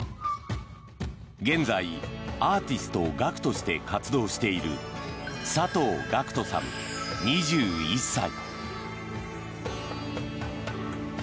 現在アーティスト、ＧＡＫＵとして活動している佐藤楽音さん、２１歳。